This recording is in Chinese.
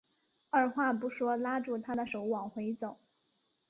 二话不说拉住她的手往回走